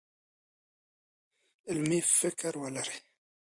علمي فکر ولرئ.